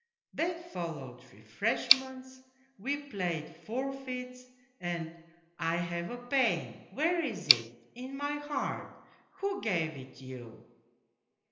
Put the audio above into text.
Then followed refreshments, we played forfeits, and ' I have a pain '' Where is it ?'' In my heart '' Who gave it you